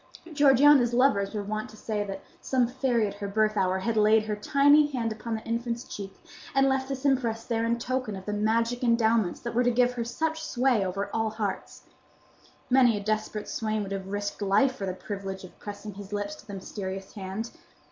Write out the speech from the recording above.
Georgiana's lovers were wont to say that some fairy at her birth hour had laid her tiny hand upon the infant's cheek, and left this impress there in token of the magic endowments that were to give her such sway over all hearts. Many a desperate swain would have risked life for the privilege of pressing his lips to the mysterious hand.